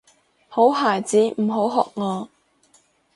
好孩子唔好學我